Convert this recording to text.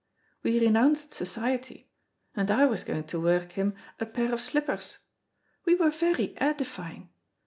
We renounced society; and I was going to work him a pair of slippers. We were very edifying.